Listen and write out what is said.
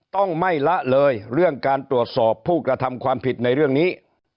ต้องไม่ละเลยเรื่องการตรวจสอบผู้กระทำความผิดในเรื่องนี้